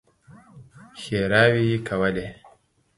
ښېراوې يې کولې.